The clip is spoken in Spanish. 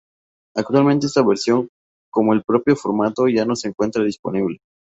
Actualmente esta versión, como el propio formato, ya no se encuentra disponible.